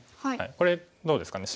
これどうですかね。